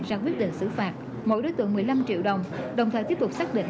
ra quyết định xử phạt mỗi đối tượng một mươi năm triệu đồng đồng thời tiếp tục xác định